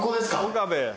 岡部。